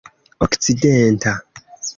okcidenta